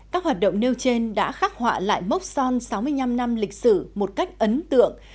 các hoạt động nêu trên đã khắc họa lại mốc son sáu mươi năm năm lịch sử một cách ấn tượng